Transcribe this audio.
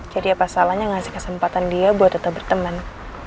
jadi apa salahnya ngasih kesempatan dia buat tetap berteman